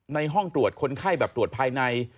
ในห้องตรวจคนไข้แบบตรวจภายใน